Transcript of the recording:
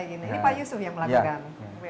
ini pak yusuf yang melakukan